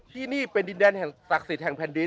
ที่นี่เป็นดินแดนแห่งศักดิ์สิทธิ์แห่งแผ่นดิน